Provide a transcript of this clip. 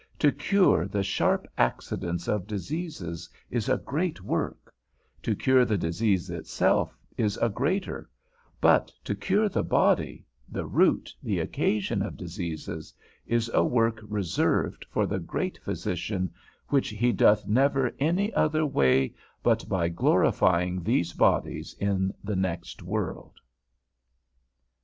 To cure the sharp accidents of diseases is a great work; to cure the disease itself is a greater; but to cure the body, the root, the occasion of diseases, is a work reserved for the great physician, which he doth never any other way but by glorifying these bodies in the next world.